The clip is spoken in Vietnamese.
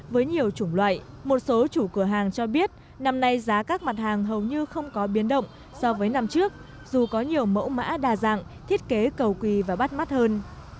với nhiều chủng loại một số chủ cửa hàng cho biết năm nay giá các mặt hàng hầu như không có biến động so với năm trước dù có nhiều mẫu mã đa dạng thiết kế cầu quỳ và bắt mắt hơn